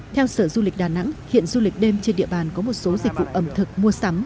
theo sở du lịch đà nẵng hiện du lịch đêm trên địa bàn có một số dịch vụ ẩm thực mua sắm